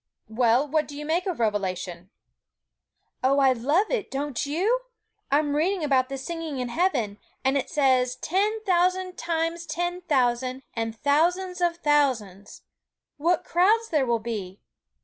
Well, what do you make of Revelation?' 'Oh, I love it, don't you? I'm reading about the singing in heaven; and it says "ten thousand times ten thousand, and thousands of thousands." What crowds there will be!